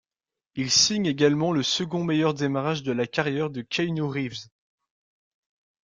Il signe également le second meilleur démarrage de la carrière de Keanu Reeves.